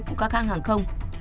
của các hãng hàng không